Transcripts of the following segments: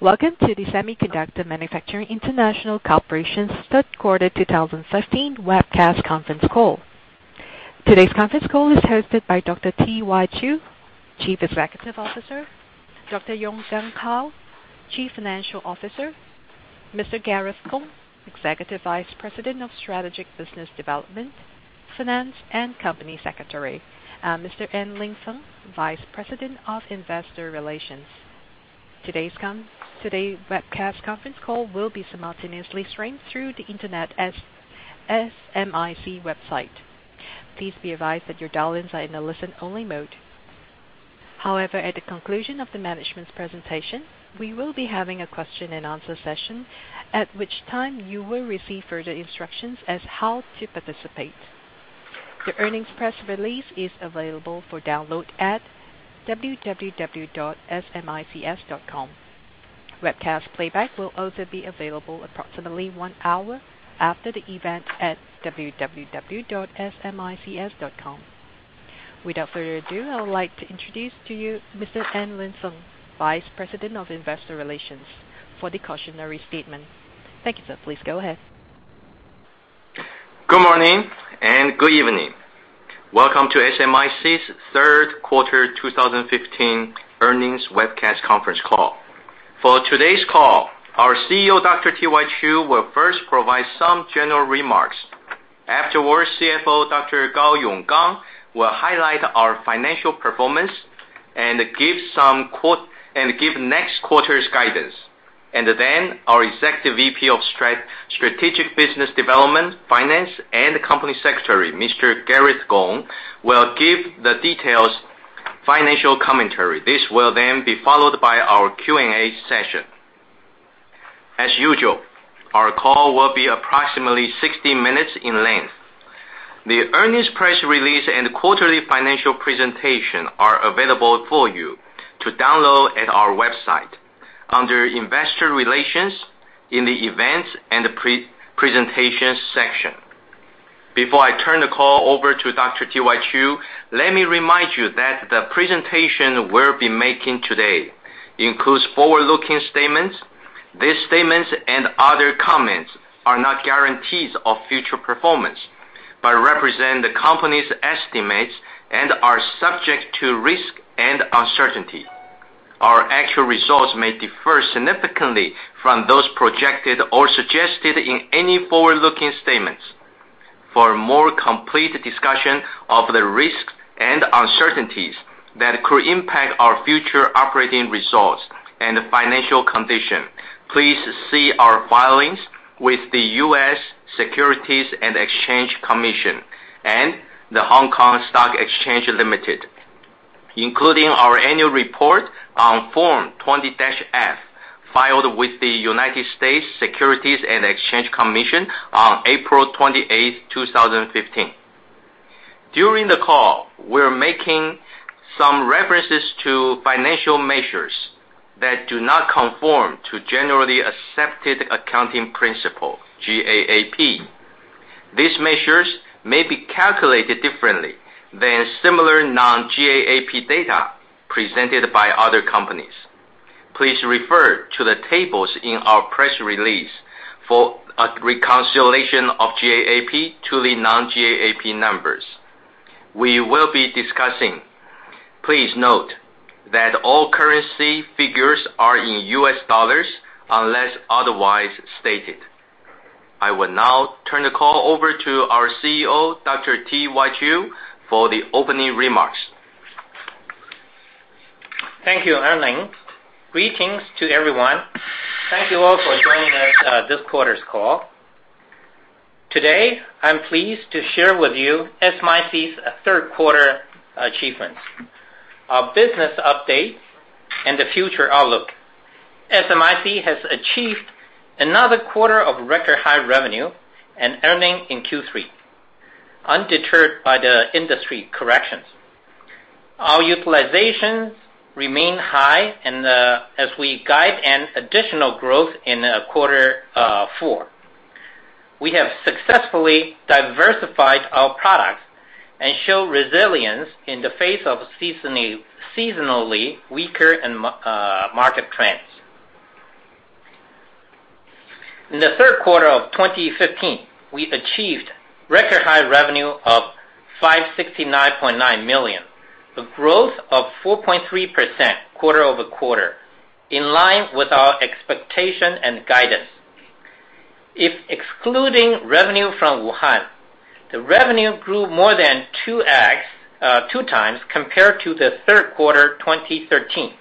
Welcome to the Semiconductor Manufacturing International Corporation's third quarter 2015 webcast conference call. Today's conference call is hosted by Dr. T.Y. Chiu, Chief Executive Officer, Dr. Yonggang Gao, Chief Financial Officer, Mr. Gareth Kung, Executive Vice President of Strategic Business Development, Finance, and Company Secretary, and Mr. En-Ling Feng, Vice President of Investor Relations. Today's webcast conference call will be simultaneously streamed through the internet as SMIC website. Please be advised that your dial-ins are in a listen-only mode. However, at the conclusion of the management's presentation, we will be having a question and answer session, at which time you will receive further instructions as how to participate. The earnings press release is available for download at www.smics.com. Webcast playback will also be available approximately one hour after the event at www.smics.com. Without further ado, I would like to introduce to you Mr. An Ling Fun, Vice President of Investor Relations, for the cautionary statement. Thank you, sir. Please go ahead. Good morning and good evening. Welcome to SMIC's third quarter 2015 earnings webcast conference call. For today's call, our CEO, Dr. T.Y. Chiu, will first provide some general remarks. Afterwards, CFO, Dr. Gao Yonggang, will highlight our financial performance and give next quarter's guidance. Our Executive VP of Strategic Business Development, Finance, and Company Secretary, Mr. Gareth Gong, will give the detailed financial commentary. This will then be followed by our Q&A session. As usual, our call will be approximately 60 minutes in length. The earnings press release and quarterly financial presentation are available for you to download at our website under Investor Relations in the Events and Presentations section. Before I turn the call over to Dr. T.Y. Chu, let me remind you that the presentation we'll be making today includes forward-looking statements. These statements and other comments are not guarantees of future performance but represent the company's estimates and are subject to risk and uncertainty. Our actual results may differ significantly from those projected or suggested in any forward-looking statements. For a more complete discussion of the risks and uncertainties that could impact our future operating results and financial condition, please see our filings with the U.S. Securities and Exchange Commission and the Hong Kong Stock Exchange Limited, including our annual report on Form 20-F filed with the United States Securities and Exchange Commission on April 28th, 2015. During the call, we're making some references to financial measures that do not conform to generally accepted accounting principles, GAAP. These measures may be calculated differently than similar non-GAAP data presented by other companies. Please refer to the tables in our press release for a reconciliation of GAAP to the non-GAAP numbers we will be discussing. Please note that all currency figures are in US dollars, unless otherwise stated. I will now turn the call over to our CEO, Dr. T.Y. Chu, for the opening remarks. Thank you, En-Ling. Greetings to everyone. Thank you all for joining us this quarter's call. Today, I'm pleased to share with you SMIC's third quarter achievements, our business update, and the future outlook. SMIC has achieved another quarter of record high revenue and earning in Q3, undeterred by the industry corrections. Our utilizations remain high as we guide an additional growth in quarter four. We have successfully diversified our products and show resilience in the face of seasonally weaker market trends. In the third quarter of 2015, we achieved record high revenue of $569.9 million, a growth of 4.3% quarter-over-quarter, in line with our expectation and guidance. If excluding revenue from Wuhan, the revenue grew more than two times compared to the third quarter 2013.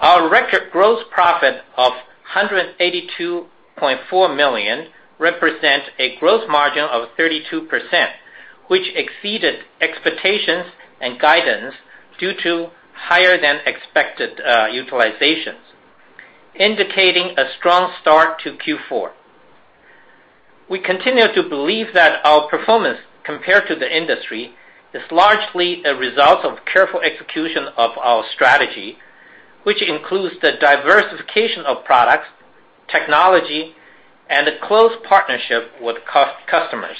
Our record gross profit of $182.4 million represents a gross margin of 32%, which exceeded expectations and guidance due to higher than expected utilizations, indicating a strong start to Q4. We continue to believe that our performance compared to the industry is largely a result of careful execution of our strategy, which includes the diversification of products, technology, and a close partnership with customers.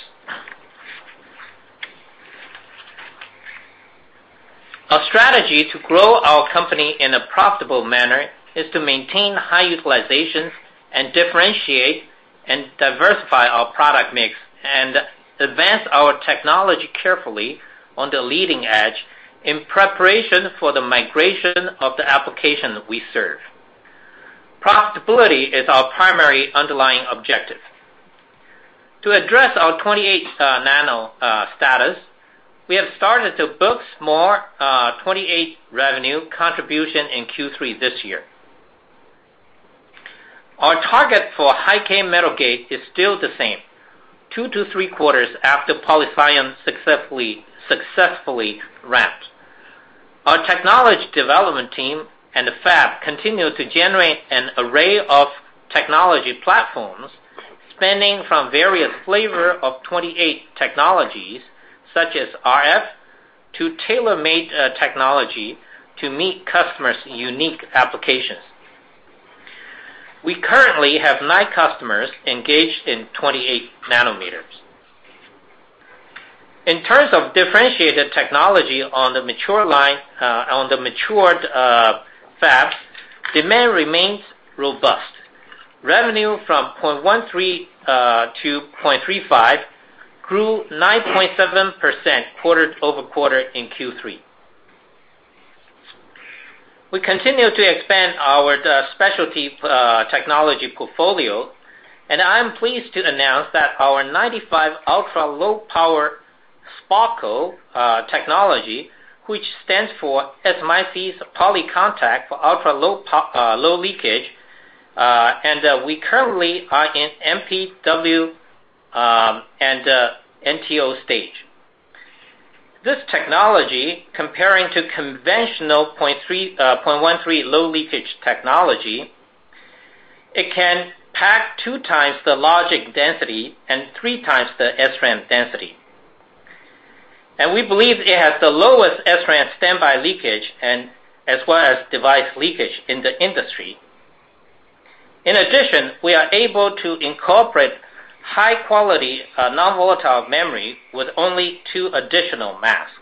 Our strategy to grow our company in a profitable manner is to maintain high utilizations and differentiate and diversify our product mix, and advance our technology carefully on the leading edge in preparation for the migration of the application we serve. Profitability is our primary underlying objective. To address our 28 nano status, we have started to book more 28 revenue contribution in Q3 this year. Our target for High-K Metal Gate is still the same, two to three quarters after PolySiON successfully ramps. Our technology development team and the fab continue to generate an array of technology platforms, spanning from various flavors of 28 technologies, such as RF, to tailor-made technology to meet customers' unique applications. We currently have nine customers engaged in 28 nanometers. In terms of differentiated technology on the matured fabs, demand remains robust. Revenue from 0.13 to 0.35 grew 9.7% quarter-over-quarter in Q3. We continue to expand our specialty technology portfolio, and I'm pleased to announce that our 95 ultra-low power SPARKLE technology, which stands for SMIC's Poly Contact for Ultra-Low Leakage, and we currently are in MPW and NTO stage. This technology, comparing to conventional 0.13 low leakage technology, it can pack two times the logic density and three times the SRAM density. We believe it has the lowest SRAM standby leakage as well as device leakage in the industry. In addition, we are able to incorporate high-quality non-volatile memory with only two additional masks.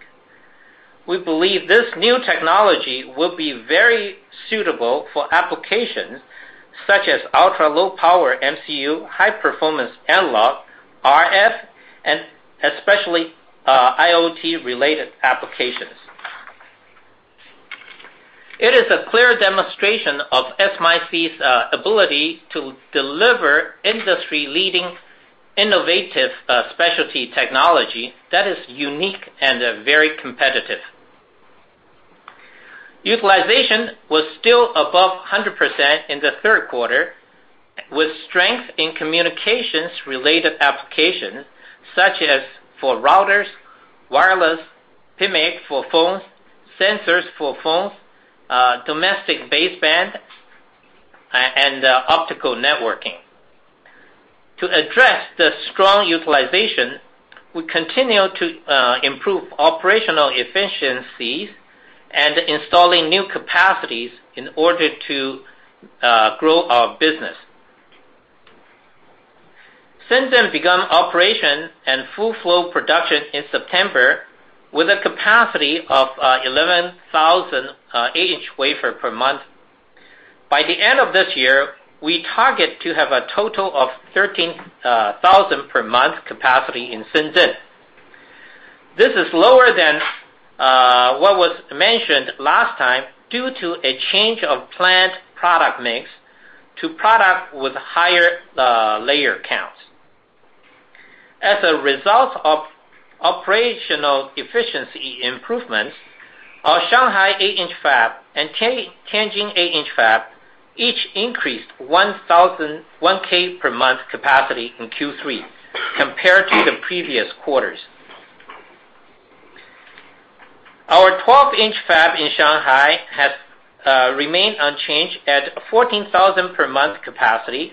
We believe this new technology will be very suitable for applications such as ultra-low power MCU, high-performance analog, RF, and especially IoT-related applications. It is a clear demonstration of SMIC's ability to deliver industry-leading, innovative specialty technology that is unique and very competitive. Utilization was still above 100% in the third quarter, with strength in communications-related applications such as for routers, wireless, PMIC for phones, sensors for phones, domestic baseband, and optical networking. To address the strong utilization, we continue to improve operational efficiencies and installing new capacities in order to grow our business. Shenzhen began operation and full flow production in September with a capacity of 11,000 8-inch wafer per month. By the end of this year, we target to have a total of 13,000 per month capacity in Shenzhen. This is lower than what was mentioned last time due to a change of plant product mix to product with higher layer counts. As a result of operational efficiency improvements, our Shanghai eight-inch fab and Tianjin eight-inch fab each increased 1K per month capacity in Q3 compared to the previous quarters. Our 12-inch fab in Shanghai has remained unchanged at 14,000 per month capacity,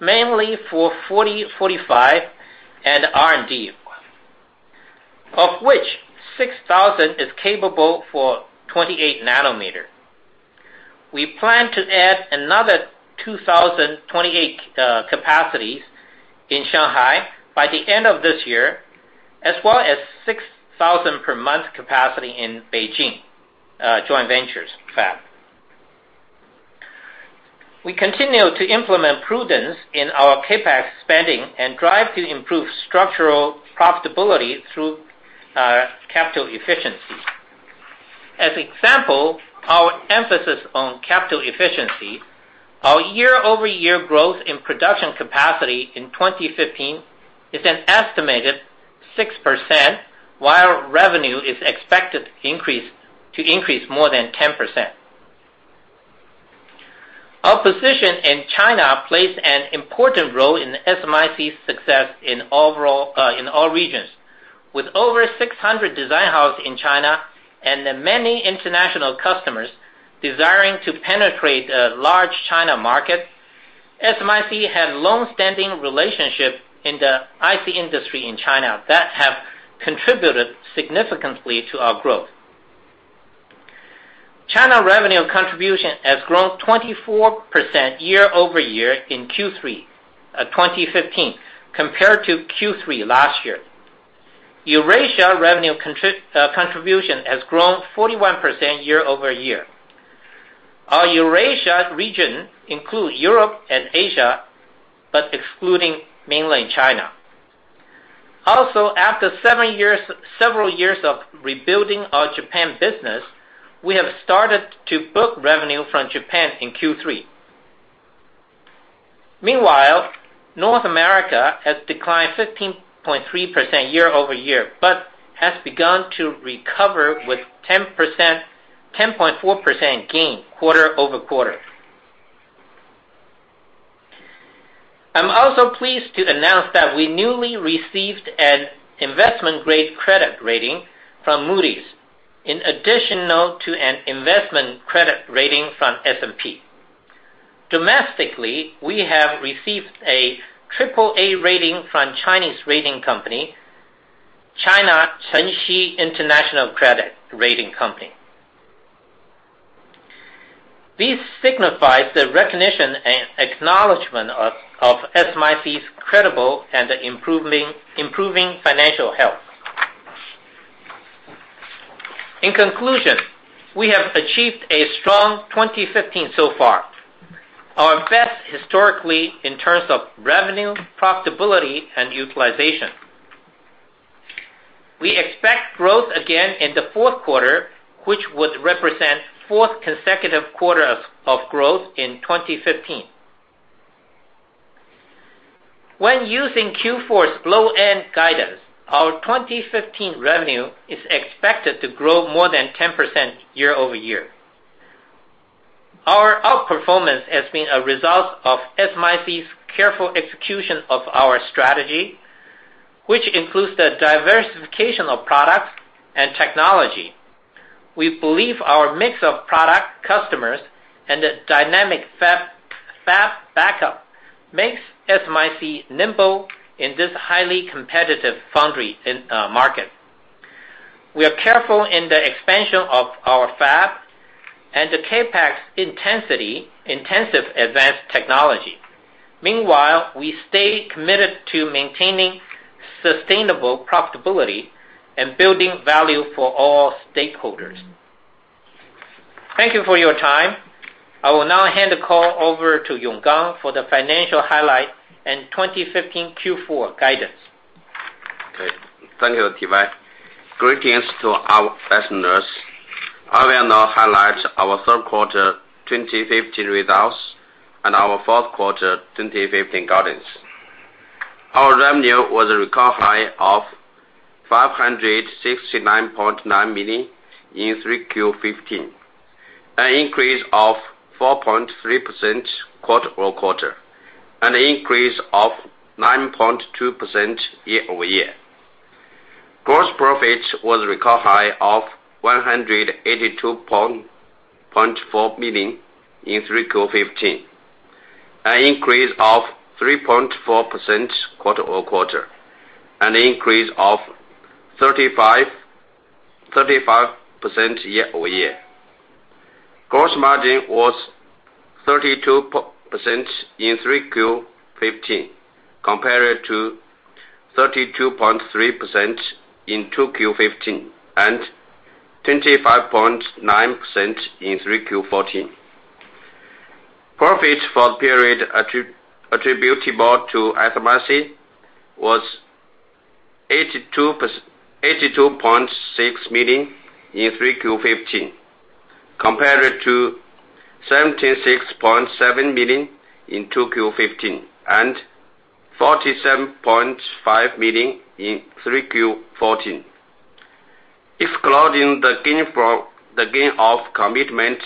mainly for 40, 45 and R&D. Of which 6,000 is capable for 28 nanometer. We plan to add another 2,000 28 capacities in Shanghai by the end of this year, as well as 6,000 per month capacity in Beijing joint ventures fab. We continue to implement prudence in our CapEx spending and drive to improve structural profitability through capital efficiency. As example, our emphasis on capital efficiency, our year-over-year growth in production capacity in 2015 is an estimated 6%, while revenue is expected to increase more than 10%. Our position in China plays an important role in SMIC's success in all regions. With over 600 design houses in China and many international customers desiring to penetrate large China market, SMIC has long-standing relationship in the IC industry in China that have contributed significantly to our growth. China revenue contribution has grown 24% year-over-year in Q3 2015 compared to Q3 last year. Eurasia revenue contribution has grown 41% year-over-year. Our Eurasia region includes Europe and Asia, but excluding mainland China. After several years of rebuilding our Japan business, we have started to book revenue from Japan in Q3. Meanwhile, North America has declined 15.3% year-over-year, but has begun to recover with 10.4% gain quarter-over-quarter. I am also pleased to announce that we newly received an investment-grade credit rating from Moody's, in additional to an investment credit rating from S&P. Domestically, we have received a triple A rating from Chinese rating company, China Chengxin International Credit Rating Company. This signifies the recognition and acknowledgment of SMIC's credible and improving financial health. In conclusion, we have achieved a strong 2015 so far. Our best historically in terms of revenue, profitability and utilization. We expect growth again in the fourth quarter, which would represent fourth consecutive quarter of growth in 2015. When using Q4's low-end guidance, our 2015 revenue is expected to grow more than 10% year-over-year. Our outperformance has been a result of SMIC's careful execution of our strategy, which includes the diversification of products and technology. We believe our mix of product customers and the dynamic fab backup makes SMIC nimble in this highly competitive foundry market. We are careful in the expansion of our fab and the CapEx-intensive advanced technology. Meanwhile, we stay committed to maintaining sustainable profitability and building value for all stakeholders. Thank you for your time. I will now hand the call over to Yonggang for the financial highlight and 2015 Q4 guidance. Okay. Thank you, T.Y. Greetings to our listeners. I will now highlight our third quarter 2015 results and our fourth quarter 2015 guidance. Our revenue was a record high of $569.9 million in 3Q15, an increase of 4.3% quarter-over-quarter, and an increase of 9.2% year-over-year. Gross profit was a record high of 182.4 million in 3Q15, an increase of 3.4% quarter-over-quarter, and an increase of 35% year-over-year. Gross margin was 32% in 3Q15 compared to 32.3% in 2Q15 and 25.9% in 3Q14. Profit for the period attributable to SMIC was 82.6 million in 3Q15, compared to 76.7 million in 2Q15 and 47.5 million in 3Q14. Excluding the gain of commitment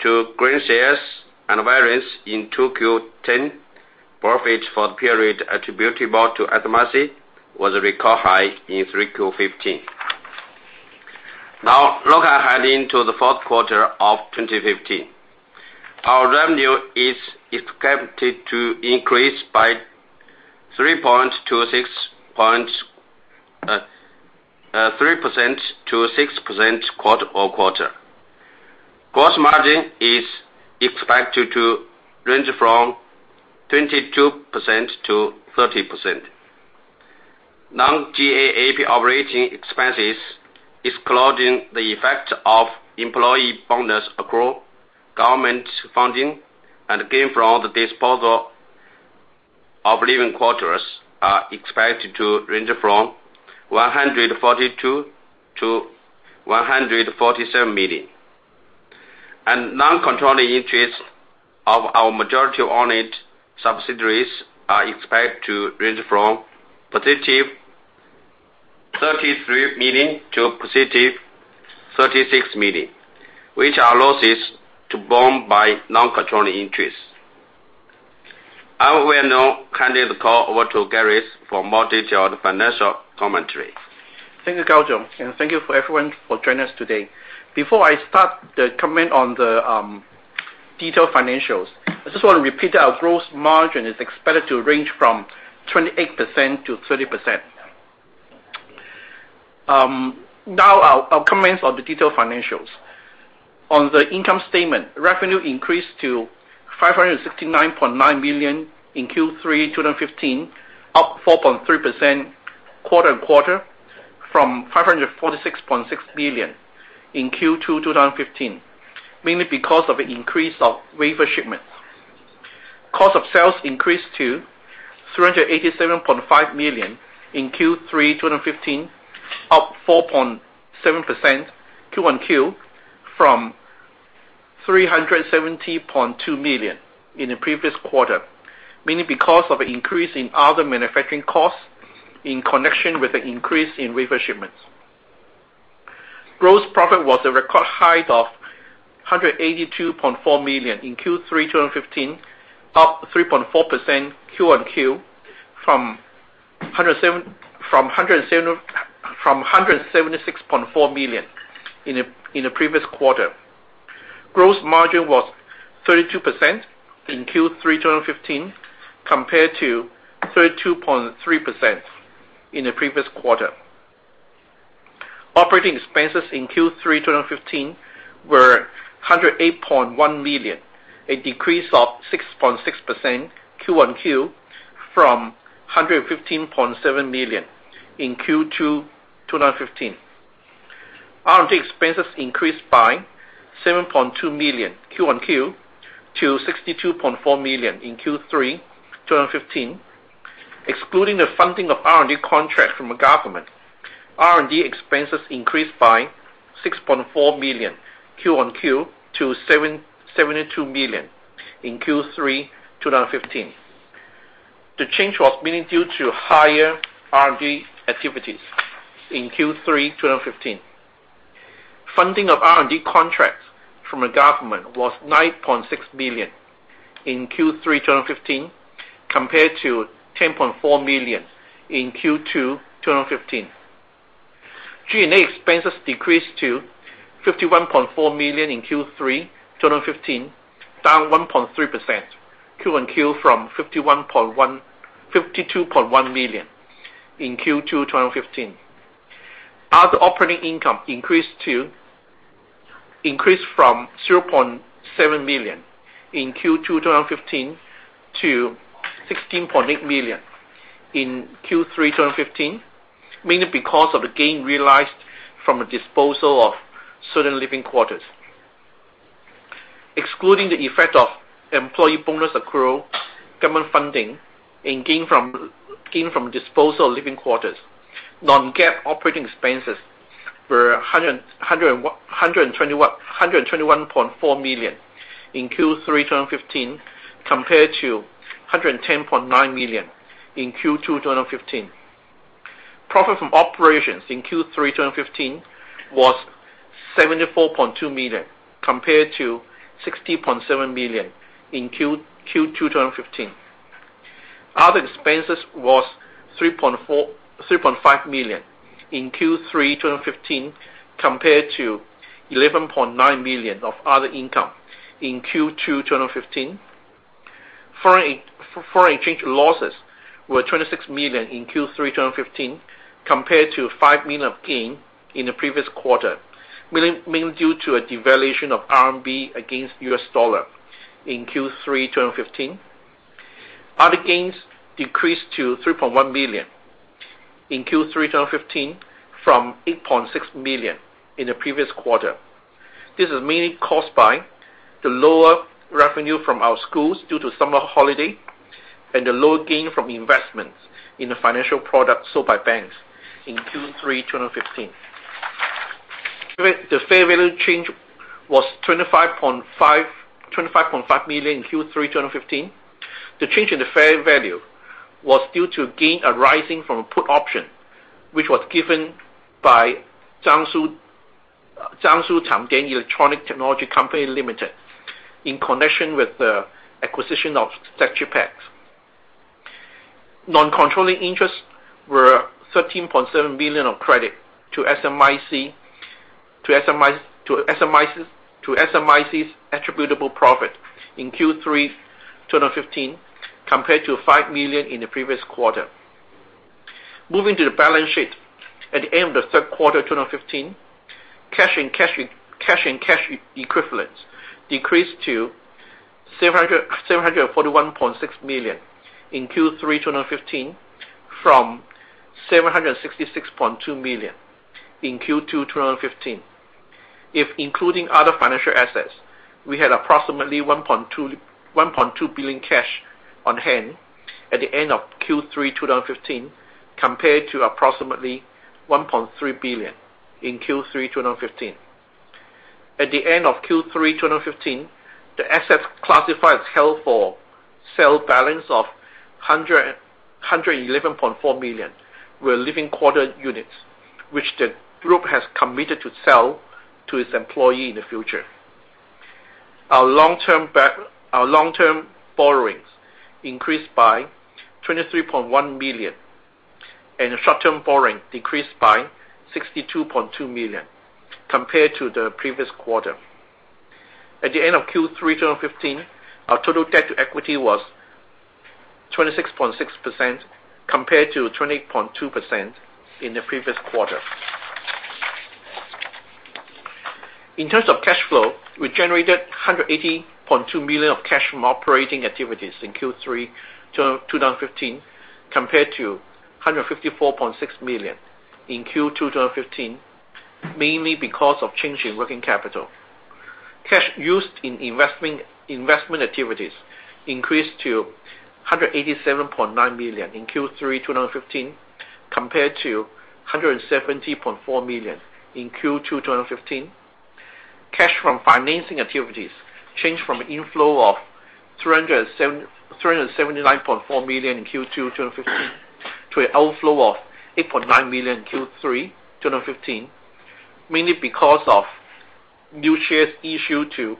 to grant shares and warrants in 2Q10, profit for the period attributable to SMIC was a record high in 3Q15. Looking ahead into the fourth quarter of 2015. Our revenue is expected to increase by 3%-6% quarter-over-quarter. Gross margin is expected to range from 22%-30%. non-GAAP operating expenses, excluding the effect of employee bonus accrual, government funding, and gain from the disposal of living quarters are expected to range from 142 million-147 million. Non-controlling interests of our majority-owned subsidiaries are expected to range from positive 33 million to positive 36 million, which are losses to bond by non-controlling interests. I will now hand the call over to Gareth for more detailed financial commentary. Thank you, Gao Yong. Thank you for everyone for joining us today. Before I start the comment on the detailed financials, I just want to repeat that our gross margin is expected to range from 28%-30%. Our comments on the detailed financials. On the income statement, revenue increased to 569.9 million in Q3 2015, up 4.3% quarter-on-quarter from 546.6 million in Q2 2015, mainly because of an increase of wafer shipments. Cost of sales increased to 387.5 million in Q3 2015, up 4.7% Q-on-Q from 370.2 million in the previous quarter, mainly because of an increase in other manufacturing costs in connection with an increase in wafer shipments. Gross profit was a record high of 182.4 million in Q3 2015, up 3.4% Q-on-Q from 176.4 million in the previous quarter. Gross margin was 32% in Q3 2015 compared to 32.3% in the previous quarter. Operating expenses in Q3 2015 were $108.1 million, a decrease of 6.6% quarter-over-quarter from $115.7 million in Q2 2015. R&D expenses increased by $7.2 million quarter-over-quarter to $62.4 million in Q3 2015. Excluding the funding of R&D contracts from the government, R&D expenses increased by $6.4 million quarter-over-quarter to $72 million in Q3 2015. The change was mainly due to higher R&D activities in Q3 2015. Funding of R&D contracts from the government was $9.6 million in Q3 2015 compared to $10.4 million in Q2 2015. G&A expenses decreased to $51.4 million in Q3 2015, down 1.3% quarter-over-quarter from $52.1 million in Q2 2015. Other operating income increased from $0.7 million in Q2 2015 to $16.8 million in Q3 2015, mainly because of the gain realized from the disposal of certain living quarters. Excluding the effect of employee bonus accrual, government funding, and gain from disposal of living quarters, non-GAAP operating expenses were $121.4 million in Q3 2015 compared to $110.9 million in Q2 2015. Profit from operations in Q3 2015 was $74.2 million compared to $60.7 million in Q2 2015. Other expenses was $3.5 million in Q3 2015 compared to $11.9 million of other income in Q2 2015. Foreign exchange losses were $26 million in Q3 2015 compared to $5 million of gain in the previous quarter, mainly due to a devaluation of RMB against U.S. dollar in Q3 2015. Other gains decreased to $3.1 million in Q3 2015 from $8.6 million in the previous quarter. This is mainly caused by the lower revenue from our schools due to summer holiday, and the lower gain from investments in the financial products sold by banks in Q3 2015. The fair value change was $25.5 million in Q3 2015. The change in the fair value was due to gain arising from a put option, which was given by Jiangsu Changjiang Electronics Technology Co., Ltd. in connection with the acquisition of STMicroelectronics. Non-controlling interests were $13.7 million of credit to SMIC's attributable profit in Q3 2015 compared to $5 million in the previous quarter. Moving to the balance sheet. At the end of the third quarter 2015, cash and cash equivalents decreased to $741.6 million in Q3 2015 from $766.2 million in Q2 2015. If including other financial assets, we had approximately $1.2 billion cash on hand at the end of Q3 2015 compared to approximately $1.3 billion in Q3 2015. At the end of Q3 2015, the assets classified as held for sale balance of $111.4 million were living quarter units, which the group has committed to sell to its employee in the future. Our long-term borrowings increased by $23.1 million, and short-term borrowing decreased by $62.2 million compared to the previous quarter. At the end of Q3 2015, our total debt to equity was 26.6%, compared to 20.2% in the previous quarter. In terms of cash flow, we generated $180.2 million of cash from operating activities in Q3 2015, compared to $154.6 million in Q2 2015, mainly because of change in working capital. Cash used in investment activities increased to $187.9 million in Q3 2015 compared to $170.4 million in Q2 2015. Cash from financing activities changed from an inflow of $379.4 million in Q2 2015 to an outflow of $8.9 million in Q3 2015, mainly because of new shares issued to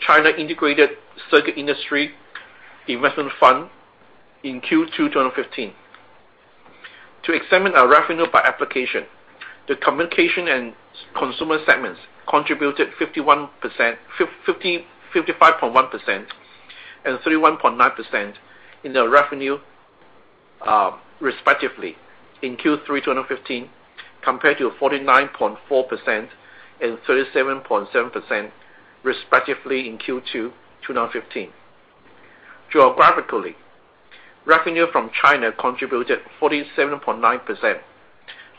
China Integrated Circuit Industry Investment Fund in Q2 2015. To examine our revenue by application, the communication and consumer segments contributed 55.1% and 31.9% in the revenue, respectively, in Q3 2015, compared to 49.4% and 37.7%, respectively, in Q2 2015. Geographically, revenue from China contributed 47.9%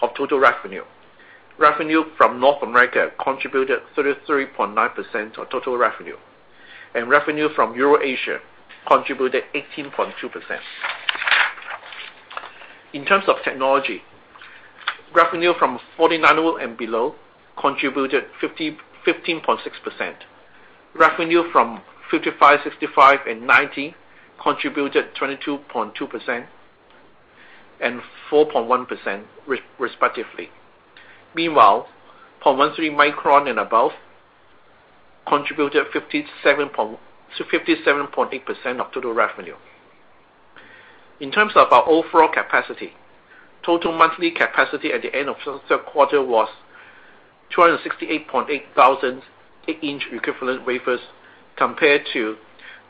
of total revenue. Revenue from North America contributed 33.9% of total revenue, and revenue from Euro-Asia contributed 18.2%. In terms of technology, revenue from 40 nm and below contributed 15.6%. Revenue from 55, 65 and 90 contributed 22.2% and 4.1%, respectively. Meanwhile, 0.13 micron and above contributed 57.8% of total revenue. In terms of our overall capacity, total monthly capacity at the end of the quarter was 268,800 8-inch equivalent wafers, compared to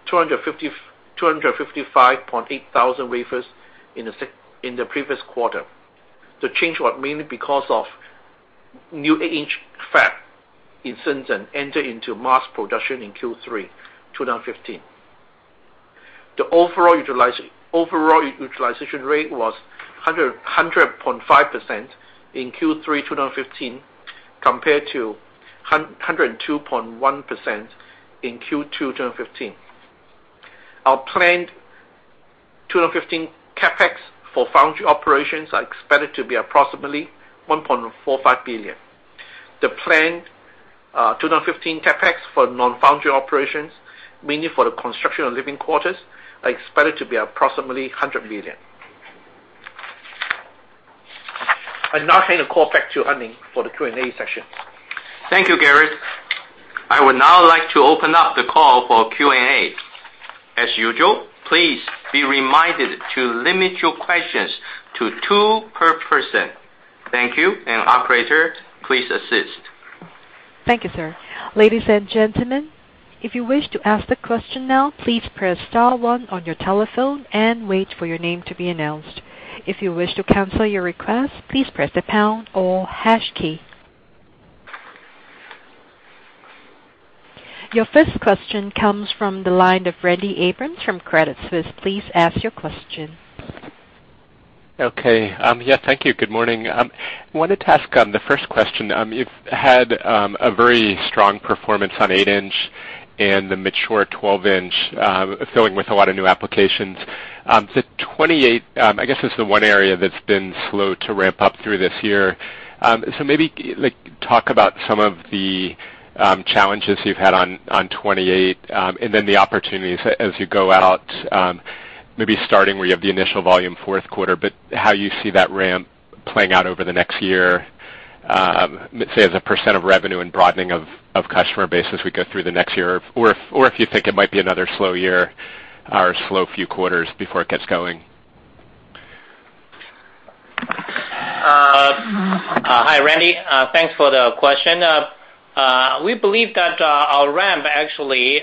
255,800 wafers in the previous quarter. The change was mainly because of new 8-inch fab in Shenzhen entered into mass production in Q3 2015. The overall utilization rate was 100.5% in Q3 2015 compared to 102.1% in Q2 2015. Our planned 2015 CapEx for foundry operations are expected to be approximately $1.45 billion. The planned 2015 CapEx for non-foundry operations, mainly for the construction of living quarters, are expected to be approximately $100 million. I now hand the call back to En-Ling for the Q&A session. Thank you, Gareth. I would now like to open up the call for Q&A. As usual, please be reminded to limit your questions to two per person. Thank you. Operator, please assist. Thank you, sir. Ladies and gentlemen, if you wish to ask the question now, please press star one on your telephone and wait for your name to be announced. If you wish to cancel your request, please press the pound or hash key. Your first question comes from the line of Randy Abrams from Credit Suisse. Please ask your question. Okay. Yeah, thank you. Good morning. I wanted to ask on the first question, you have had a very strong performance on 8 inch and the mature 12 inch, filling with a lot of new applications. The 28, I guess, is the one area that has been slow to ramp up through this year. Maybe talk about some of the challenges you have had on 28, and then the opportunities as you go out, maybe starting where you have the initial volume fourth quarter, but how you see that ramp playing out over the next year, say, as a % of revenue and broadening of customer base as we go through the next year. Or if you think it might be another slow year or a slow few quarters before it gets going. Hi, Randy. Thanks for the question. We believe that our ramp actually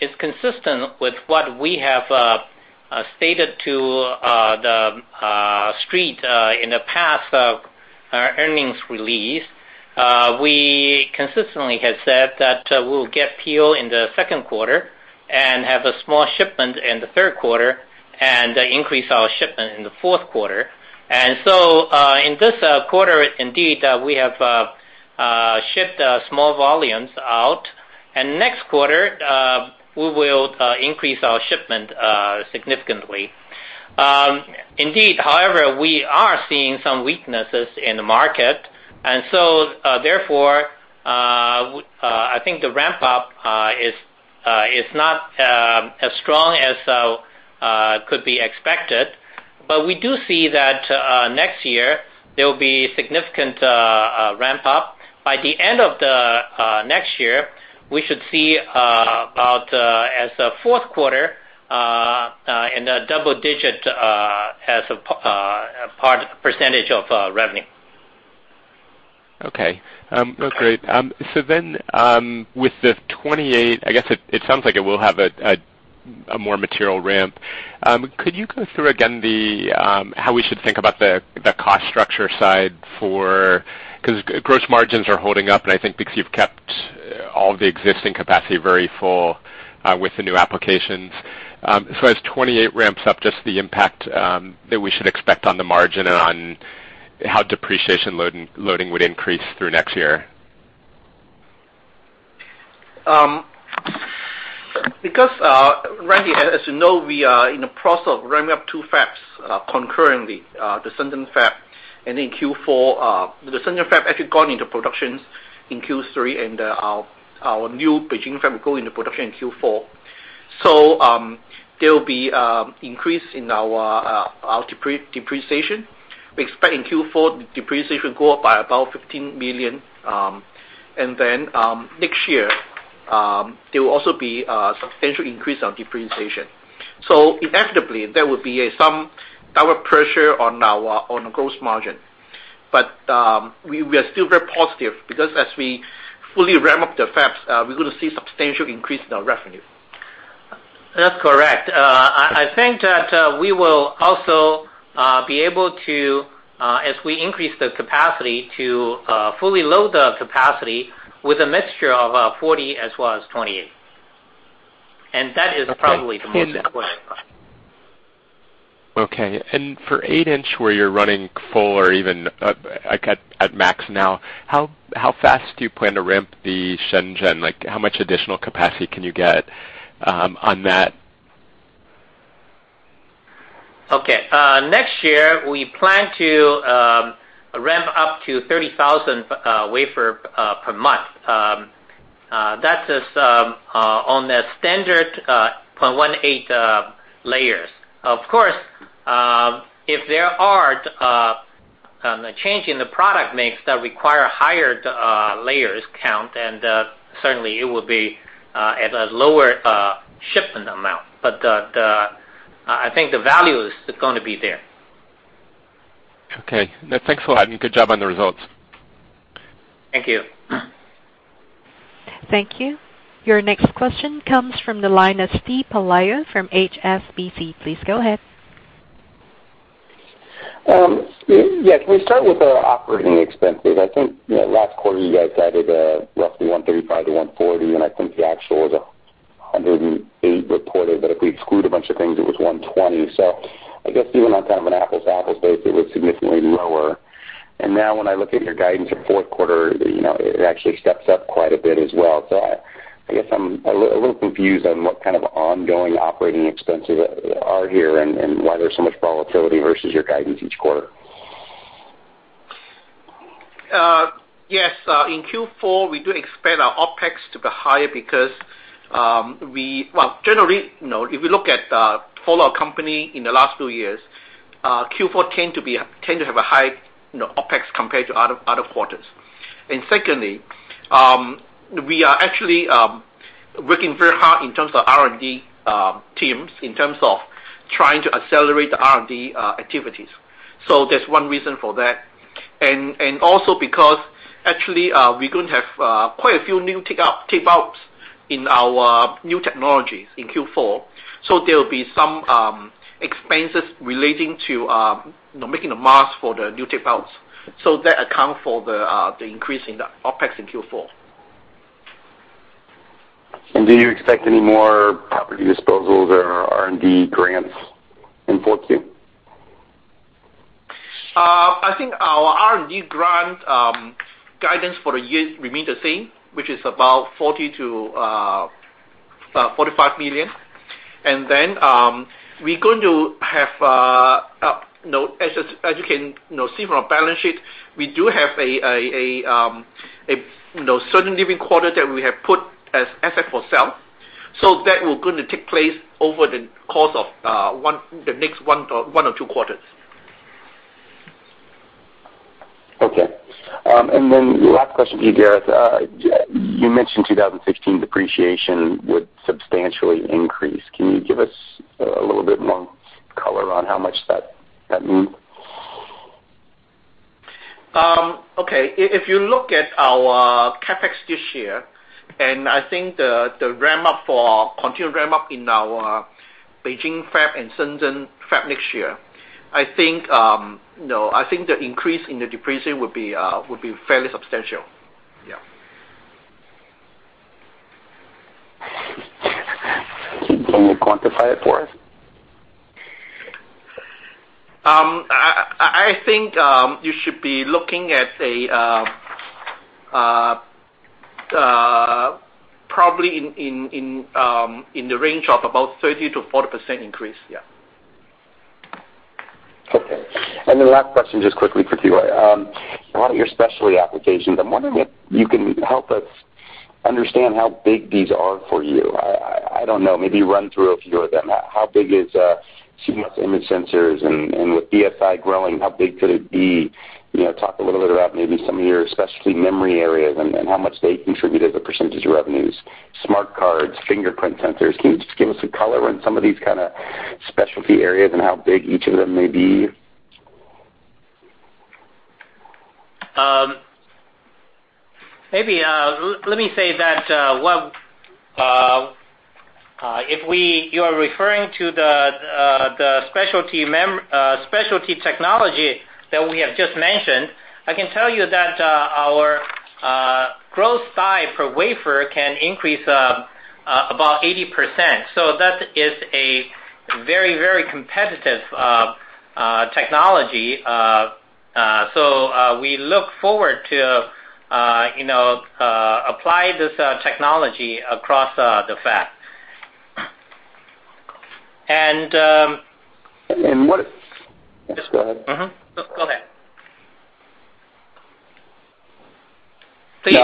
is consistent with what we have stated to the street in the past earnings release. We consistently have said that we will get PO in the second quarter and have a small shipment in the third quarter and increase our shipment in the fourth quarter. In this quarter, indeed, we have shipped small volumes out, and next quarter, we will increase our shipment significantly. Indeed, however, we are seeing some weaknesses in the market, therefore, I think the ramp-up is not as strong as could be expected. We do see that next year, there will be significant ramp-up. By the end of the next year, we should see about as the fourth quarter It is double digit as a % of revenue. Okay. Great. With the 28, I guess it sounds like it will have a more material ramp. Could you go through again, how we should think about the cost structure side because gross margins are holding up, and I think because you have kept all the existing capacity very full with the new applications. As 28 ramps up, just the impact that we should expect on the margin and on how depreciation loading would increase through next year. Randy, as you know, we are in the process of ramping up 2 fabs concurrently, the Shenzhen fab and in Q4. The Shenzhen fab actually gone into production in Q3 and our new Beijing fab will go into production in Q4. There will be an increase in our depreciation. We expect in Q4, the depreciation go up by about $15 million. Next year, there will also be a substantial increase on depreciation. Inevitably, there will be some downward pressure on the gross margin. We are still very positive because as we fully ramp up the fabs, we are going to see substantial increase in our revenue. That's correct. I think that we will also be able to, as we increase the capacity to fully load the capacity with a mixture of 40 as well as 28. That is probably the most important part. Okay. For eight-inch, where you're running full or even at max now, how fast do you plan to ramp the Shenzhen? How much additional capacity can you get on that? Okay. Next year, we plan to ramp up to 30,000 wafer per month. That is on a standard 0.18 layers. Of course, if there are a change in the product mix that require higher layers count, then certainly it will be at a lower shipment amount. I think the value is going to be there. Okay. Thanks a lot, good job on the results. Thank you. Thank you. Your next question comes from the line of Steven Pelayo from HSBC. Please go ahead. Can we start with operating expenses? I think last quarter, you guys guided roughly 135-140, I think the actual was 108 reported. If we exclude a bunch of things, it was 120. I guess even on kind of an apples to apples basis, it was significantly lower. Now when I look at your guidance for fourth quarter, it actually steps up quite a bit as well. I guess I'm a little confused on what kind of ongoing operating expenses are here and why there's so much volatility versus your guidance each quarter. Yes. In Q4, we do expect our OpEx to be higher because generally, if you look at our company in the last few years, Q4 tend to have a high OpEx compared to other quarters. Secondly, we are actually working very hard in terms of R&D teams, in terms of trying to accelerate the R&D activities. That's one reason for that. Also because actually, we're going to have quite a few new tape outs in our new technologies in Q4. There will be some expenses relating to making the masks for the new tape outs. That account for the increase in the OpEx in Q4. Do you expect any more property disposals or R&D grants in 4Q? I think our R&D grant guidance for the year remains the same, which is about $40 million-$45 million. We're going to have, as you can see from our balance sheet, we do have a certain living quarter that we have put as asset for sale. That is going to take place over the course of the next one or two quarters. Okay. Last question to you, Gareth. You mentioned 2016 depreciation would substantially increase. Can you give us a little bit more color on how much that means? Okay. If you look at our CapEx this year, and I think the continued ramp-up in our Beijing fab and Shenzhen fab next year, I think the increase in the depreciation would be fairly substantial. Can you quantify it for us? I think you should be looking at probably in the range of about 30%-40% increase. Yeah. Okay. Last question, just quickly for Tzu-Yin Chiu. A lot of your specialty applications, I'm wondering if you can help us understand how big these are for you. I don't know, maybe run through a few of them. How big is CMOS image sensors? And with BSI growing, how big could it be? Talk a little bit about maybe some of your specialty memory areas and how much they contribute as a % of revenues. Smart cards, fingerprint sensors. Can you just give us some color on some of these kind of specialty areas and how big each of them may be? Maybe let me say that if you are referring to the specialty technology that we have just mentioned, I can tell you that our growth size per wafer can increase about 80%. That is a very competitive technology. We look forward to apply this technology across the fab. Yes, go ahead. Go ahead. Please. No, I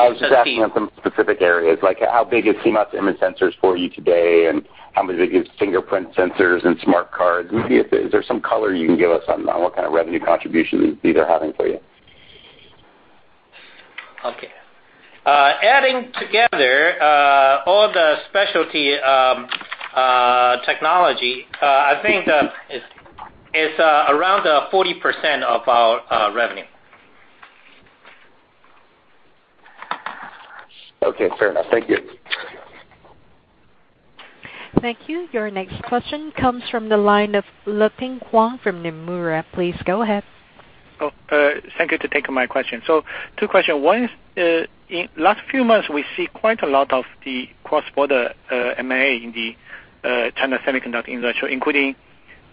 was just asking on some specific areas, like how big is CMOS image sensors for you today, and how big is fingerprint sensors and smart card? Is there some color you can give us on what kind of revenue contribution these are having for you? Adding together all the specialty technology, I think it's around 40% of our revenue. Okay, fair enough. Thank you. Thank you. Your next question comes from the line of Leping Huang from Nomura. Please go ahead. Thank you for taking my question. Two questions. One is, in last few months, we see quite a lot of the cross-border M&A in the China semiconductor industry, including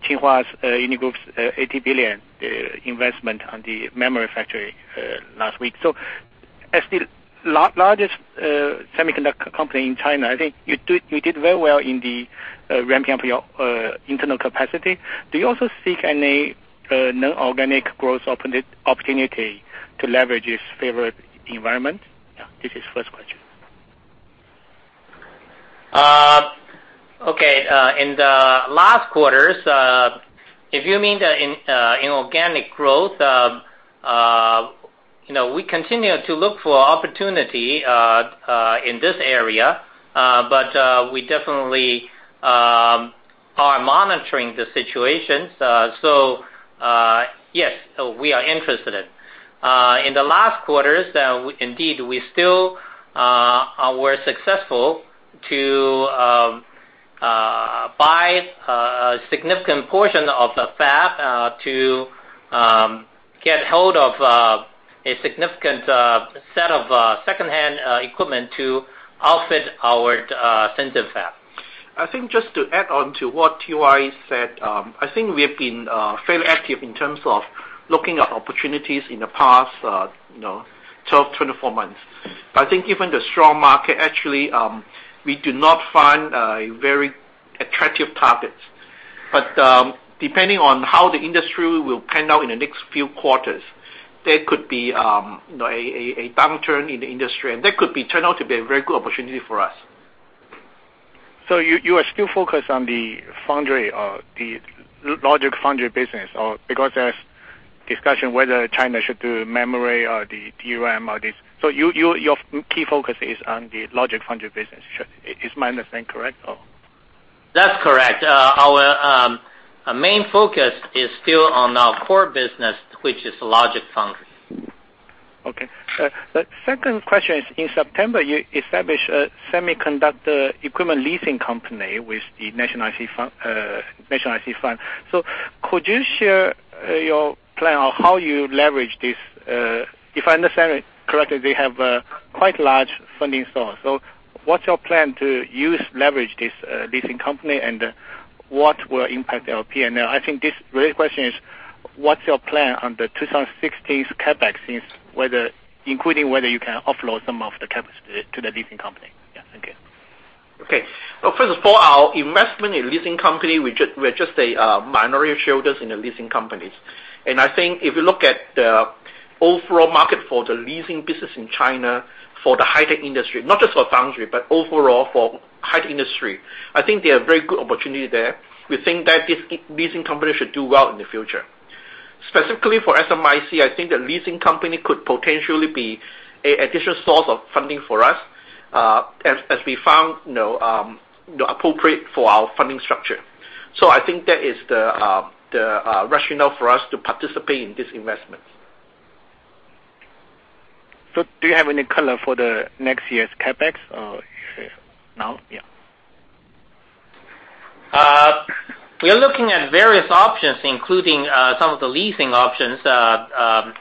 Tsinghua Unigroup's $80 billion investment on the memory factory last week. As the largest semiconductor company in China, I think you did very well in the ramping up your internal capacity. Do you also seek any non-organic growth opportunity to leverage this favorite environment? This is first question. Okay. In the last quarters, if you mean the inorganic growth, we continue to look for opportunity in this area. We definitely are monitoring the situation. Yes, we are interested. In the last quarters, indeed, we still were successful to buy a significant portion of the fab to get hold of a significant set of secondhand equipment to outfit our sensor fab. I think just to add on to what T.Y. said, I think we have been fairly active in terms of looking at opportunities in the past 12, 24 months. I think given the strong market, actually, we do not find very attractive targets. Depending on how the industry will pan out in the next few quarters, there could be a downturn in the industry, and that could turn out to be a very good opportunity for us. You are still focused on the logic foundry business. Because there's discussion whether China should do memory or the DRAM or this. Your key focus is on the logic foundry business. Is my understanding correct or? That's correct. Our main focus is still on our core business, which is logic foundry. Okay. The second question is, in September you established a semiconductor equipment leasing company with the National IC Fund. Could you share your plan on how you leverage this? If I understand it correctly, they have a quite large funding source. What's your plan to leverage this leasing company, and what will impact LP? I think this related question is: What's your plan on the 2016 CapEx, including whether you can offload some of the capacity to the leasing company? Yeah, thank you. Well, first of all, our investment in leasing company, we are just a minority shareholders in the leasing companies. I think if you look at the overall market for the leasing business in China, for the high-tech industry, not just for foundry, but overall for high-tech industry, I think there are very good opportunity there. We think that this leasing company should do well in the future. Specifically for SMIC, I think the leasing company could potentially be an additional source of funding for us as we found appropriate for our funding structure. I think that is the rationale for us to participate in this investment. Do you have any color for the next year's CapEx now? Yeah. We are looking at various options, including some of the leasing options to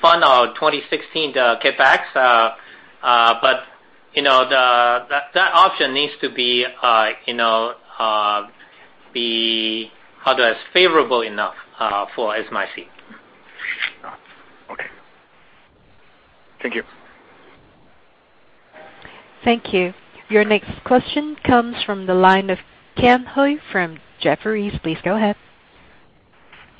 fund our 2016 CapEx. That option needs to be favorable enough for SMIC. Got it. Okay. Thank you. Thank you. Your next question comes from the line of Ken Hui from Jefferies. Please go ahead.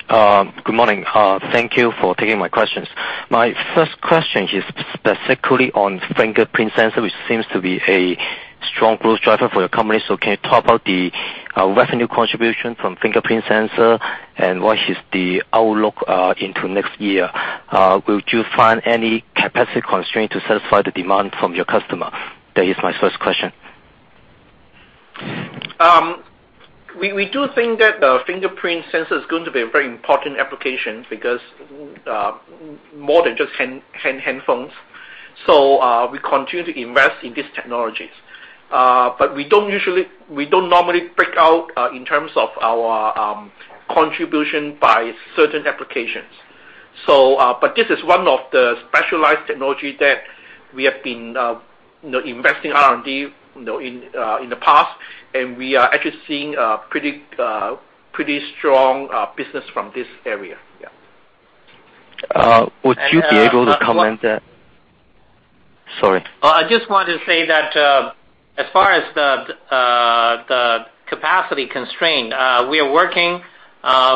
Good morning. Thank you for taking my questions. My first question is specifically on fingerprint sensor, which seems to be a strong growth driver for your company. Can you talk about the revenue contribution from fingerprint sensor, and what is the outlook into next year? Would you find any capacity constraint to satisfy the demand from your customer? That is my first question. We do think that the fingerprint sensor is going to be a very important application because more than just hand phones. We continue to invest in these technologies. We don't normally break out in terms of our contribution by certain applications. This is one of the specialized technology that we have been investing R&D in the past, and we are actually seeing pretty strong business from this area. Yeah. Would you be able to comment? Sorry. I just wanted to say that as far as the capacity constraint, we are working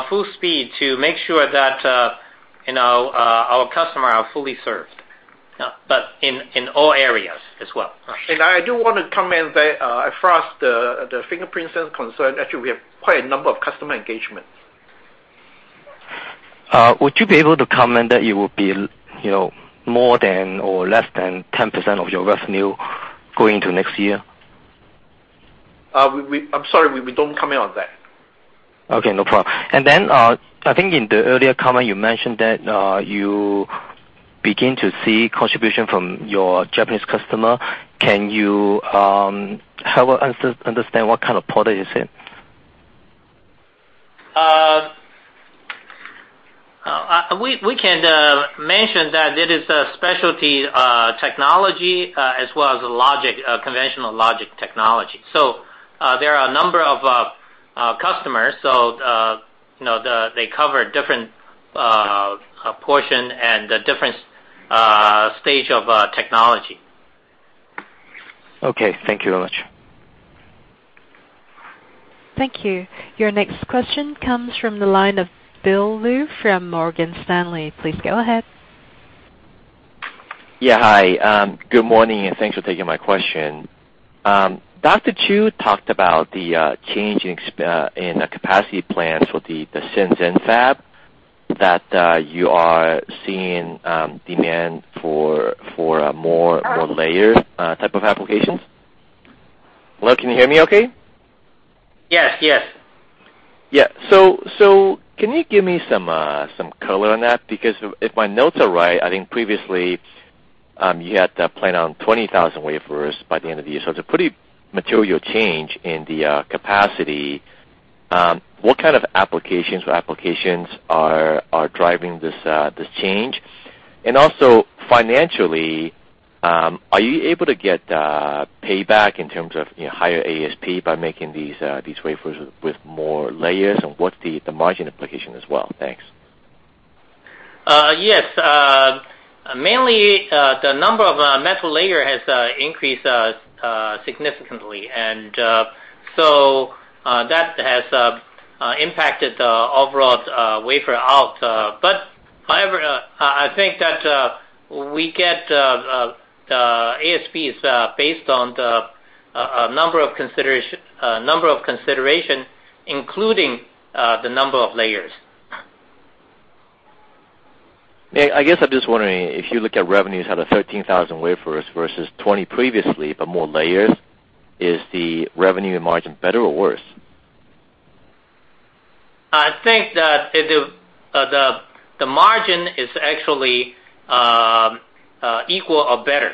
full speed to make sure that our customers are fully served, but in all areas as well. I do want to comment that as far as the fingerprint sensor is concerned, actually, we have quite a number of customer engagements. Would you be able to comment that it will be more than or less than 10% of your revenue going into next year? I'm sorry, we don't comment on that. Okay, no problem. I think in the earlier comment, you mentioned that you begin to see contribution from your Japanese customer. Can you help us understand what kind of product is it? We can mention that it is a specialty technology as well as conventional logic technology. There are a number of customers, so they cover different portion and the different stage of technology. Okay. Thank you very much. Thank you. Your next question comes from the line of Bill Lu from Morgan Stanley. Please go ahead. Hi, good morning, and thanks for taking my question. Dr. Chiu talked about the change in the capacity plans for the Shenzhen fab that you are seeing demand for more layered type of applications. Hello, can you hear me okay? Yes. Can you give me some color on that? Because if my notes are right, I think previously, you had planned on 20,000 wafers by the end of the year, it's a pretty material change in the capacity. What kind of applications are driving this change? Also, financially, are you able to get payback in terms of higher ASP by making these wafers with more layers? What's the margin implication as well? Thanks. Mainly, the number of metal layer has increased significantly, that has impacted the overall wafer out. However, I think that we get the ASPs based on the number of consideration, including the number of layers. I guess I'm just wondering, if you look at revenues out of 13,000 wafers versus 20 previously, more layers, is the revenue margin better or worse? I think that the margin is actually equal or better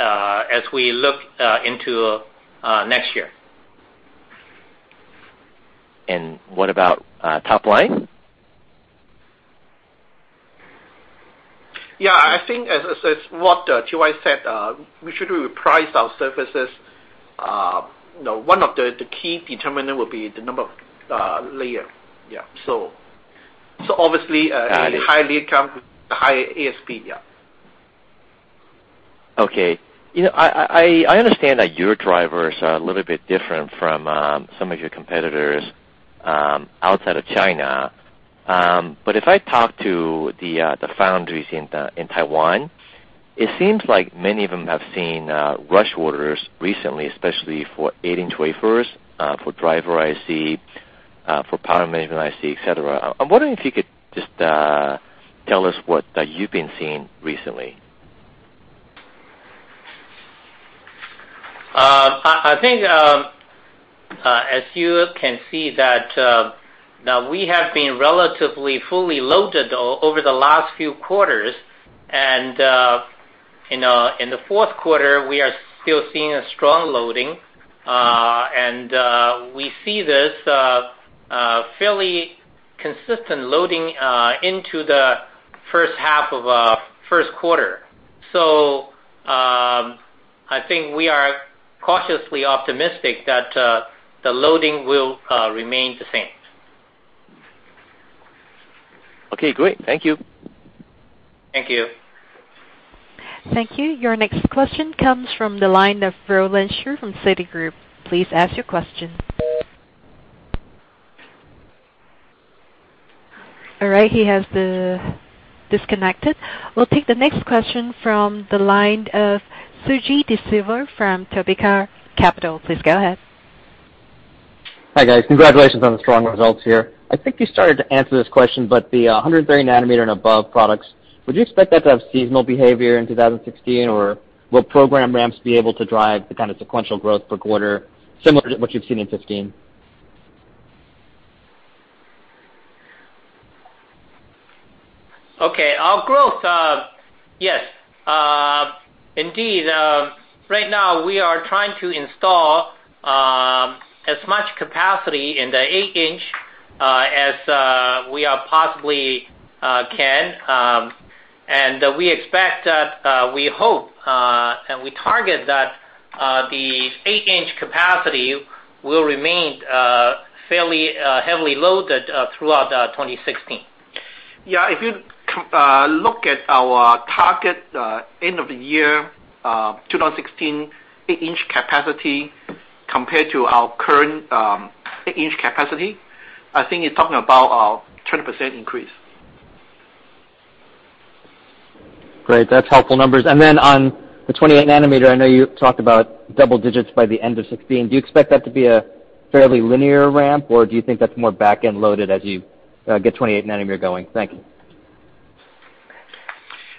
as we look into next year. What about top line? I think as what T.Y. said, we should reprice our services. One of the key determinant will be the number of layer. Obviously, highly account, high ASP. Okay. I understand that your drivers are a little bit different from some of your competitors outside of China. If I talk to the foundries in Taiwan, it seems like many of them have seen rush orders recently, especially for eight-inch wafers, for driver IC, for power management IC, et cetera. I'm wondering if you could just tell us what you've been seeing recently. I think, as you can see that we have been relatively fully loaded over the last few quarters, in the fourth quarter, we are still seeing a strong loading. We see this fairly consistent loading into the first half of first quarter. I think we are cautiously optimistic that the loading will remain the same. Okay, great. Thank you. Thank you. Thank you. Your next question comes from the line of Roland Shu from Citigroup. Please ask your question. All right. He has disconnected. We will take the next question from the line of Suji Desilva from Topeka Capital. Please go ahead. Hi guys. Congratulations on the strong results here. I think you started to answer this question, the 130 nanometer and above products, would you expect that to have seasonal behavior in 2016? Will program ramps be able to drive the kind of sequential growth per quarter, similar to what you've seen in 2015? Okay. Our growth, yes. Indeed, right now we are trying to install as much capacity in the 8-inch as we possibly can. We expect, we hope, and we target that the 8-inch capacity will remain fairly heavily loaded throughout 2016. Yeah, if you look at our target end of the year 2016 8-inch capacity compared to our current 8-inch capacity, I think you're talking about a 20% increase. Great. That's helpful numbers. On the 28 nanometer, I know you talked about double digits by the end of 2016. Do you expect that to be a fairly linear ramp, or do you think that's more back-end loaded as you get 28 nanometer going? Thank you.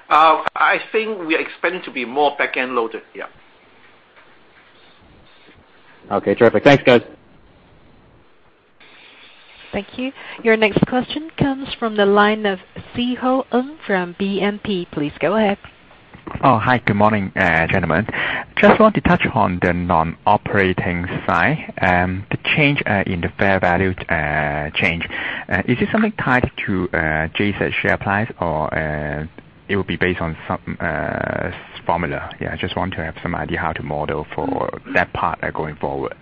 I think we are expecting to be more back-end loaded. Yeah. Okay, terrific. Thanks, guys. Thank you. Your next question comes from the line of Sze Ho Ng from BNP. Please go ahead. Oh, hi. Good morning, gentlemen. Just want to touch on the non-operating side, the change in the fair value change. Is this something tied to JCET share price or it would be based on some formula? Yeah. Just want to have some idea how to model for that part going forward.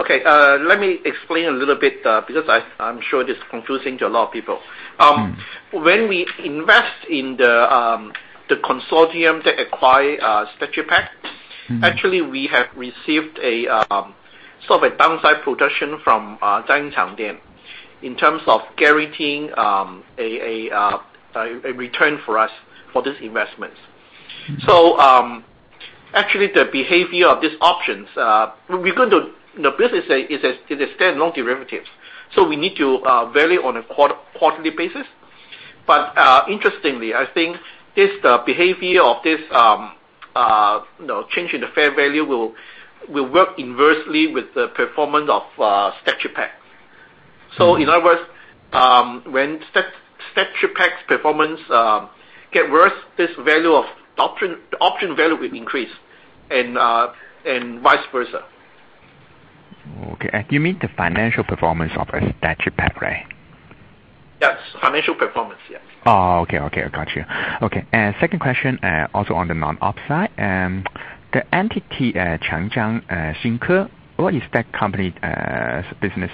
Okay. Let me explain a little bit because I'm sure this is confusing to a lot of people. When we invest in the consortium to acquire STATS ChipPAC. Actually, we have received a sort of a downside protection from Zhang Xiao Dian in terms of guaranteeing a return for us for this investment. Actually, the behavior of these options, basically, it extend long derivatives. We need to vary on a quarterly basis. Interestingly, I think this, the behavior of this change in the fair value will work inversely with the performance of STATS ChipPAC. In other words, when STATS ChipPAC's performance gets worse, this option value will increase and vice versa. Okay. You mean the financial performance of STATS ChipPAC, right? Yes. Financial performance, yes. Oh, okay. Got you. Okay, second question, also on the non-op side, the entity, Changjiang Xinke, what is that company's business?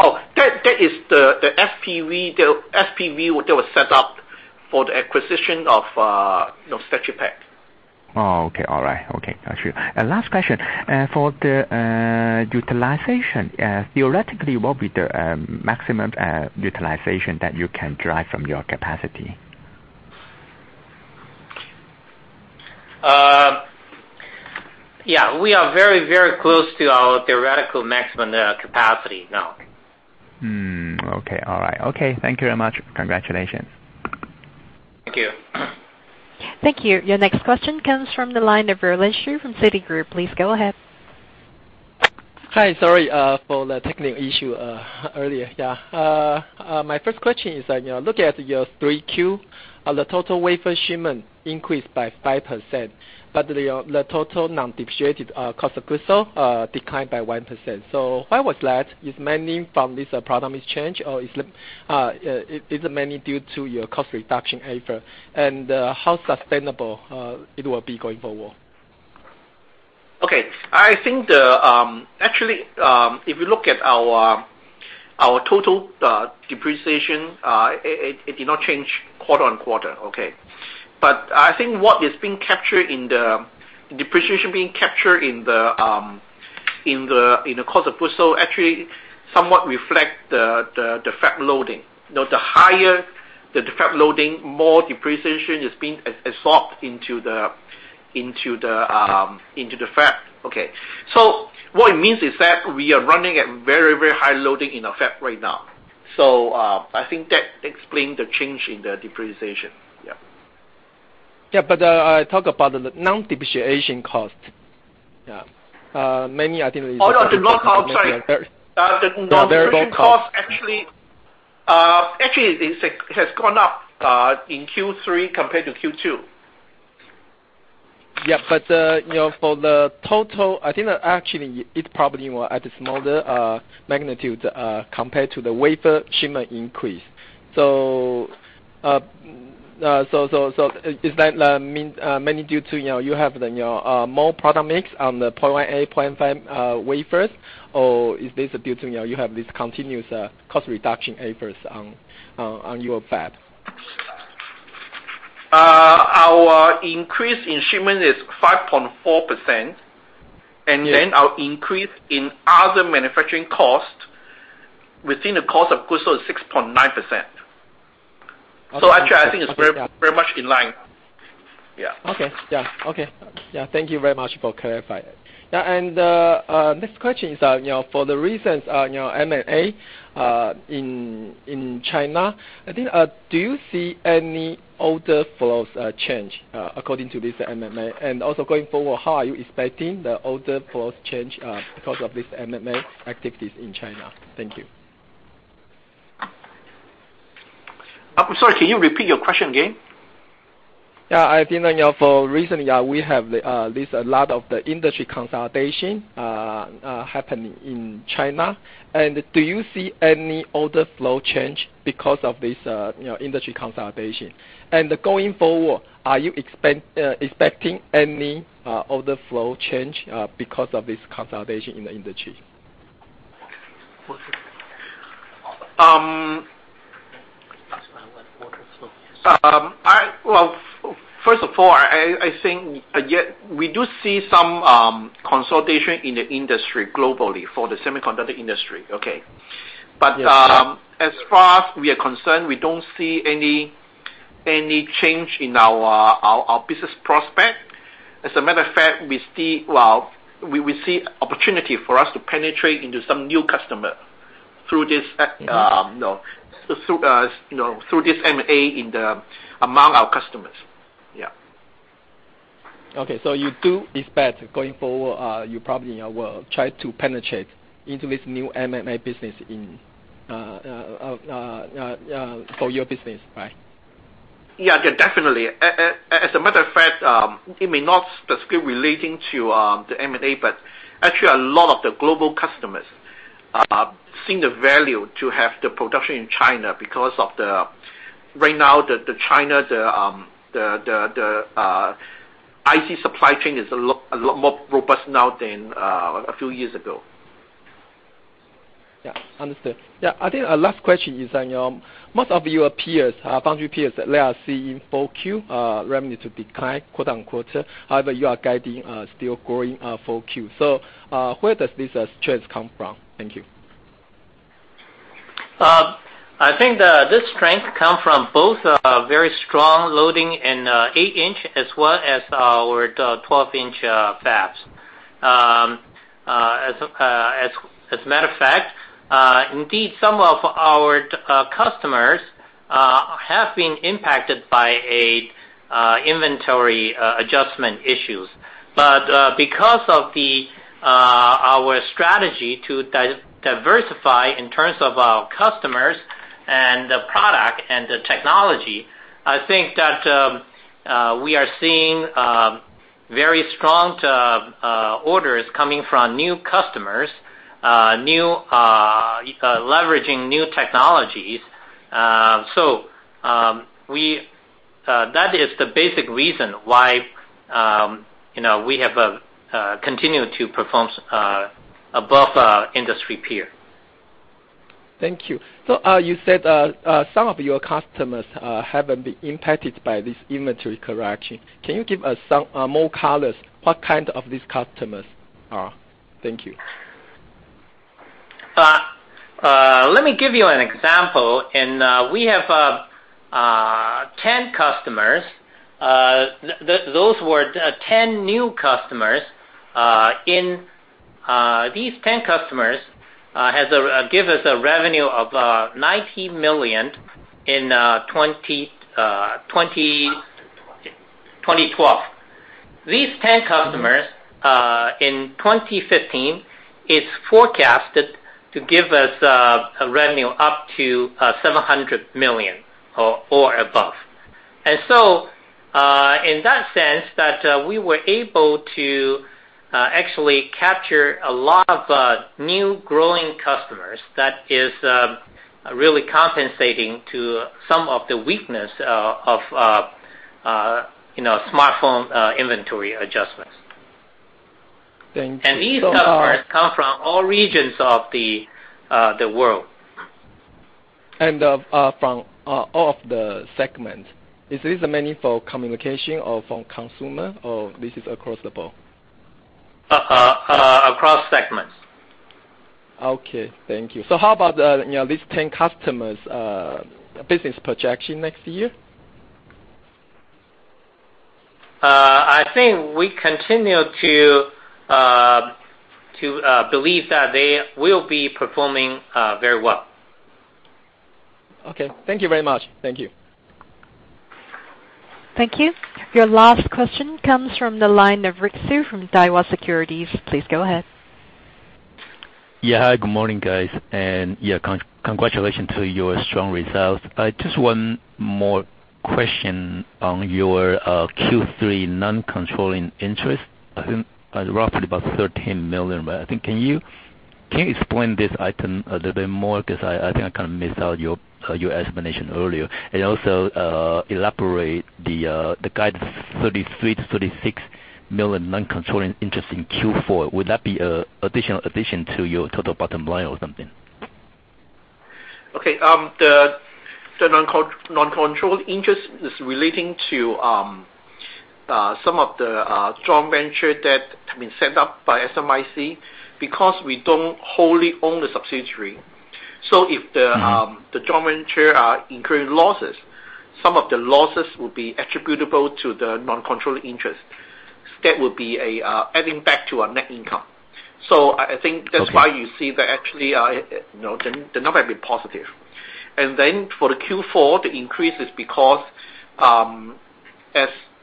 Oh, that is the SPV that was set up for the acquisition of STATS ChipPAC. Oh, okay. All right. Okay. Got you. Last question. For the utilization, theoretically, what would be the maximum utilization that you can drive from your capacity? Yeah. We are very, very close to our theoretical maximum capacity now. Okay. All right. Okay. Thank you very much. Congratulations. Thank you. Thank you. Your next question comes from the line of Verlyn Xu from Citigroup. Please go ahead. Hi. Sorry for the technical issue earlier. Yeah. My first question is looking at your 3Q, the total wafer shipment increased by 5%, but the total non-depreciated cost of goods sold declined by 1%. Why was that? Is mainly from this product change, or is it mainly due to your cost reduction effort? How sustainable it will be going forward? Okay. I think, actually, if you look at our total depreciation, it did not change quarter-on-quarter. Okay. I think what is being captured in the depreciation being captured in the cost of goods sold actually somewhat reflect the fab loading. The higher the fab loading, more depreciation is being absorbed into the fab. Okay. What it means is that we are running at very, very high loading in our fab right now. I think that explains the change in the depreciation. Yeah. Yeah. I talk about the non-depreciation cost. Yeah. Mainly, I think it is. Oh, no. Sorry. The non-depreciation cost actually has gone up in Q3 compared to Q2. Yeah, for the total, I think that actually it probably was at a smaller magnitude compared to the wafer shipment increase. Is that mainly due to, you have the more product mix on the 0.18/0.25 wafers, or is this due to, you have this continuous cost reduction efforts on your fab? Our increase in shipment is 5.4%. Yeah. Our increase in other manufacturing cost within the cost of goods sold is 6.9%. Actually, I think it's very much in line. Yeah. Okay. Yeah. Thank you very much for clarifying that. Next question is, for the recent M&A in China, do you see any order flows change according to this M&A? Also going forward, how are you expecting the order flows change because of this M&A activities in China? Thank you. I'm sorry, can you repeat your question again? Yeah. I think, for recently, we have at least a lot of the industry consolidation happening in China. Do you see any order flow change because of this industry consolidation? Going forward, are you expecting any order flow change because of this consolidation in the industry? Well, first of all, I think, we do see some consolidation in the industry globally for the semiconductor industry. Okay. Yes. As far as we are concerned, we don't see any change in our business prospect. As a matter of fact, we see opportunity for us to penetrate into some new customer through this M&A among our customers. Yeah. Okay. You do expect going forward, you probably will try to penetrate into this new M&A business for your business, right? Yeah, definitely. As a matter of fact, it may not specifically relating to the M&A, but actually a lot of the global customers see the value to have the production in China because right now, the China IC supply chain is a lot more robust now than a few years ago. Yeah. Understood. Yeah. I think last question is, most of your peers, foundry peers, they are seeing 4Q revenue to decline, quote-unquote, however your guiding still growing 4Q. Where does this strength come from? Thank you. I think this strength come from both very strong loading in 8-inch as well as our 12-inch fabs. As a matter of fact, indeed some of our customers have been impacted by inventory adjustment issues. Because of our strategy to diversify in terms of our customers and the product and the technology, I think that we are seeing very strong orders coming from new customers, leveraging new technologies. That is the basic reason why we have continued to perform above our industry peer. Thank you. You said some of your customers have been impacted by this inventory correction. Can you give us more colors what kind of these customers are? Thank you. Let me give you an example. We have 10 customers, those were 10 new customers. These 10 customers give us a revenue of $90 million in 2012. These 10 customers, in 2015, is forecasted to give us a revenue up to $700 million or above. In that sense, that we were able to actually capture a lot of new growing customers that is really compensating to some of the weakness of smartphone inventory adjustments. Thank you. These customers come from all regions of the world. From all of the segments. Is this mainly for communication or for consumer, or this is across the board? Across segments. Okay, thank you. How about these 10 customers' business projection next year? I think we continue to believe that they will be performing very well. Okay. Thank you very much. Thank you. Thank you. Your last question comes from the line of Rick Hsu from Daiwa Securities. Please go ahead. Yeah. Hi, good morning, guys. Yeah, congratulations to your strong results. Just one more question on your Q3 non-controlling interest. I think roughly about 13 million, I think, can you explain this item a little bit more? Because I think I kind of missed out your explanation earlier. Also, elaborate the guidance, 33 million-36 million non-controlling interest in Q4. Would that be addition to your total bottom line or something? The non-controlling interest is relating to some of the joint venture debt has been set up by SMIC because we don't wholly own the subsidiary. If the joint venture is incurring losses, some of the losses will be attributable to the non-controlling interest. That would be adding back to our net income. I think that's why you see that actually, the number has been positive. For the Q4, the increase is because,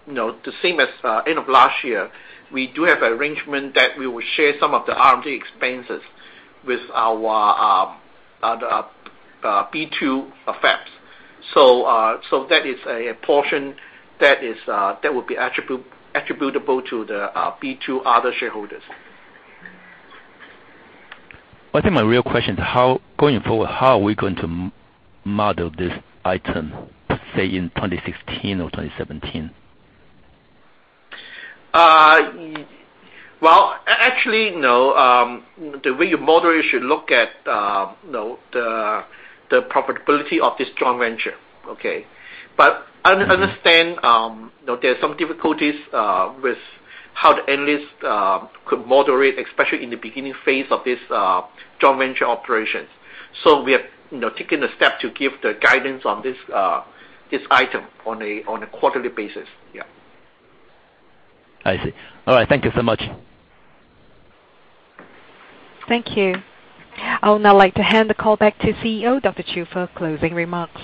the same as end of last year, we do have an arrangement that we will share some of the R&D expenses with our B2 fabs. That is a portion that would be attributable to the B2 other shareholders. I think my real question is, going forward, how are we going to model this item, say in 2016 or 2017? Well, actually, no, the way you model it, you should look at the profitability of this joint venture. Okay. Understand, there are some difficulties with how the analyst could model it, especially in the beginning phase of this joint venture operations. We are taking the step to give the guidance on this item on a quarterly basis. Yeah. I see. All right. Thank you so much. Thank you. I would now like to hand the call back to CEO, Dr. Chiu, for closing remarks.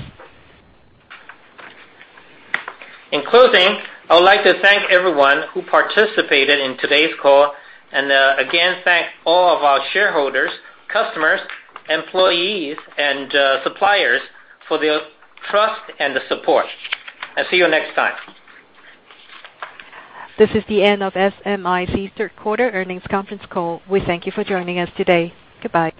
In closing, I would like to thank everyone who participated in today's call. Again, thank all of our shareholders, customers, employees, and suppliers for their trust and the support. I'll see you next time. This is the end of SMIC's third quarter earnings conference call. We thank you for joining us today. Goodbye